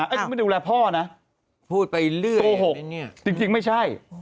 อันนี้ไม่ได้ดูแลพ่อนะพูดไปเรื่อยโกหกจริงไม่ใช่